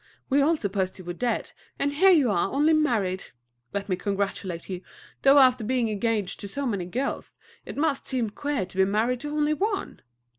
We all supposed you were dead, and here you are only married. Let me congratulate you, though after being engaged to so many girls, it must seem queer to be married to only one!